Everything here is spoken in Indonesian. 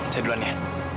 saya duluan ya